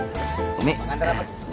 mang kandar amat